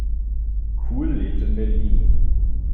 Kuhl lebt in Berlin.